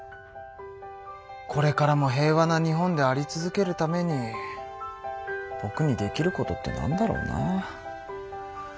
これからも平和な日本であり続けるためにぼくにできることってなんだろうな。